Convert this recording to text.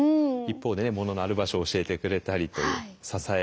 一方でねもののある場所を教えてくれたりという。